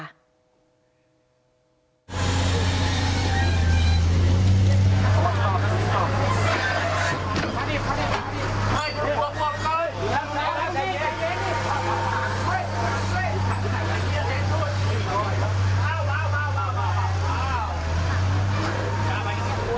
มามามา